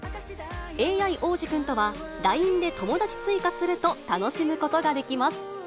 ＡＩおーじくんとは、ＬＩＮＥで友達追加すると楽しむことができます。